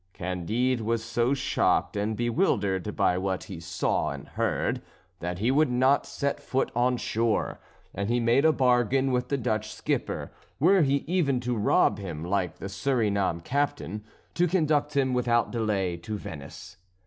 Candide was so shocked and bewildered by what he saw and heard, that he would not set foot on shore, and he made a bargain with the Dutch skipper (were he even to rob him like the Surinam captain) to conduct him without delay to Venice.